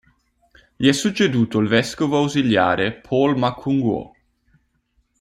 Gli è succeduto il vescovo ausiliare Paul Ma Cun-guo.